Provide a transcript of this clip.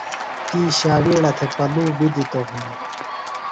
تی ݜاوِیڑہ تھےۡ پلُوۡ بیۡ دِتوۡ ہِنوۡ۔